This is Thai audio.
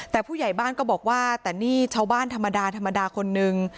แต่ผู้ใหญ่บ้านก็บอกว่าแต่นี่ชาวบ้านธรรมดาธรรมดาคนนึง